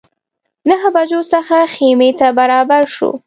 نهه بجو څخه خیمې ته برابر شوو.